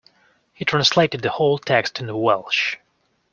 He translated the whole text into Welsh.